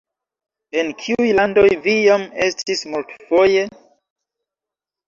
En kiuj landoj vi jam estis multfoje?